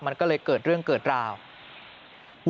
มันก็เลยเกิดเรื่องเกิดราว